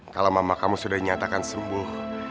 kalau mama kamu sudah dinyatakan sembuh